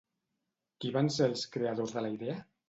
Qui van ser els creadors de la idea?